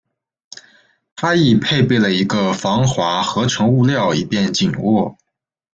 它亦配备了一个防滑合成物料以便紧握。